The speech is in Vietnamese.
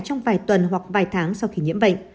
trong vài tuần hoặc vài tháng sau khi nhiễm bệnh